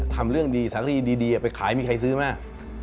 ทำเรื่องดีสังคีดีไปขายมีใครซื้อมาก